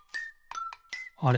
あれ？